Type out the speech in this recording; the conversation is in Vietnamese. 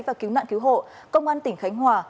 và cứu nạn cứu hộ công an tỉnh khánh hòa